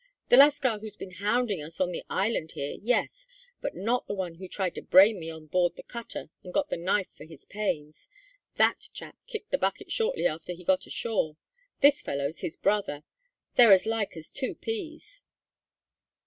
"The lascar who's been hounding us on the island here yes; but not the one who tried to brain me on board the cutter and got the knife for his pains. That chap kicked the bucket shortly after he got ashore; this fellow's his brother. They're as like as two peas."